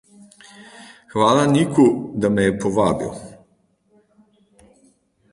Hvala Niku, da me je povabil.